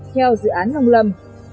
theo dự án ngông lâm